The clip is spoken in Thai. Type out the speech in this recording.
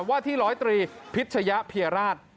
ว่าที่๑๐๓พิชยะเพียราช